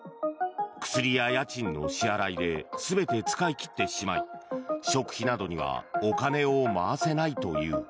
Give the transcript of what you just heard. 薬や家賃の支払いで全て使い切ってしまい食費などにはお金を回せないのという。